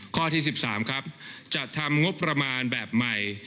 ข้อที่๑๓ครับจัดทำงบประมาณแบบใหม่